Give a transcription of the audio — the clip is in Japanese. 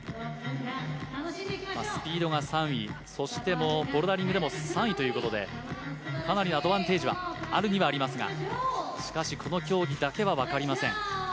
スピードが３位そしてボルダリングでも３位ということでかなりアドバンテージはあるにはありますがしかし、この競技だけは分かりません。